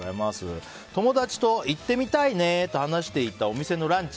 友達と行ってみたいねと話していたお店のランチ。